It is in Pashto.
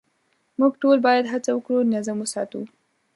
موږ ټول باید هڅه وکړو نظم وساتو.